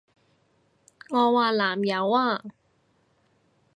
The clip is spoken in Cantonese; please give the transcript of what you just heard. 我話南柚啊！